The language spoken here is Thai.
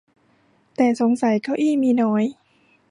แต่สงสัยเก้าอี้มีน้อย